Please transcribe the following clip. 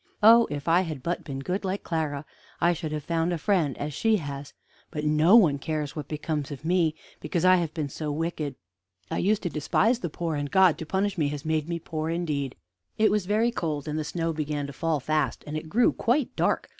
Oh, if I had but been good like Clara, I should have found a friend, as she has; but no one cares what becomes of me, because I have been so wicked. I used to despise the poor, and God, to punish me, has made me poor indeed." It was very cold, and the snow began to fall fast, and it grew quite dark.